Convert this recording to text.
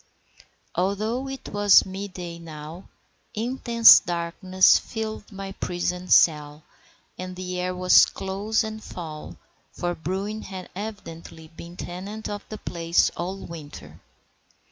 Although it was mid day now, intense darkness filled my prison cell, and the air was close and foul, for Bruin had evidently been tenant of the place all winter.